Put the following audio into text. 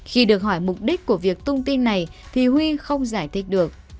khi được hỏi mục đích của việc tung tin này thì huy không giải thích được